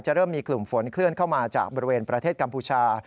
เริ่มมีกลุ่มฝนเคลื่อนเข้ามาจากบริเวณประเทศกัมพูชา